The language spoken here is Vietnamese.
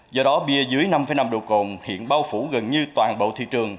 do đó bia dưới năm năm độ cồn hiện bao phủ gần như toàn bộ thị trường